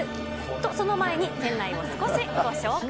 と、その前に店内を少しご紹介。